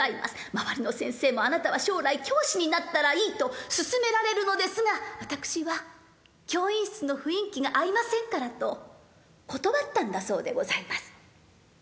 周りの先生も「あなたは将来教師になったらいい」と勧められるのですが「私は教員室の雰囲気が合いませんから」と断ったんだそうでございます。